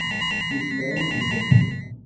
Nezmer ad nexdem kra.